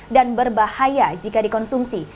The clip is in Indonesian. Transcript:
dan berbahaya jika dikonsumsi